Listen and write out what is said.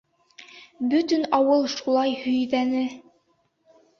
Бөтөн ауыл шулай һөйҙәне.